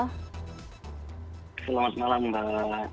selamat malam mbak